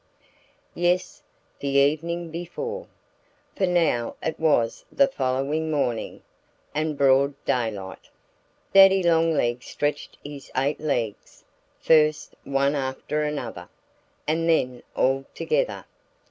Yes; the evening before! For now it was the following morning and broad daylight. Daddy Longlegs stretched his eight legs, first one after another, and then all together.